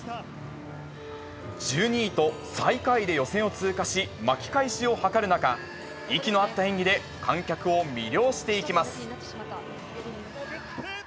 １２位と最下位で予選を通過し、巻き返しを図る中、息の合った演技で観客を魅了していきます。